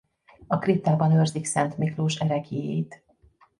A kriptában őrzik Szent Miklós ereklyéit.